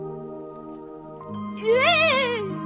ええ！？